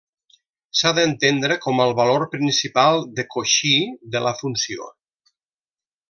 S'ha d'entendre com el valor principal de Cauchy de la funció.